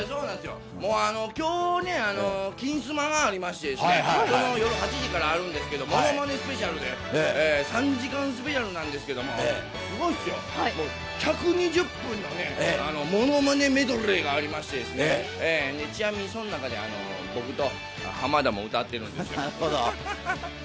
今日、「金スマ」がありまして、夜８時からあるんですけど、ものまねスペシャルで３時間スペシャルなんですけれどもすごいっすよ、もう１２０分のものまねメドレーがありまして、ちなみにその中で僕と浜田も歌ってるんですよ。